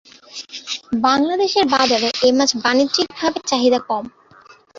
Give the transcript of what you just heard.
বাংলাদেশের বাজারে এ মাছ বাণিজ্যিকভাবে চাহিদা কম।